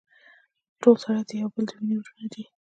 ټول سړي د يو بل د وينې وروڼه دي.